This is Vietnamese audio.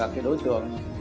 và thiết bị trong